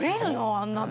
あんなの。